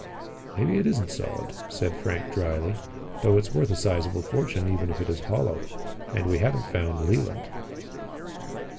"Maybe it isn't solid," said Frank dryly, "though it's worth a sizeable fortune even if it is hollow. And we haven't found Leland."